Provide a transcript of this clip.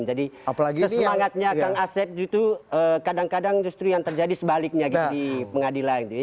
jadi sesemangatnya kang asep gitu kadang kadang justru yang terjadi sebaliknya gitu di pengadilan gitu ya